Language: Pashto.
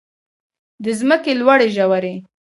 د ځمکې لوړې ژورې.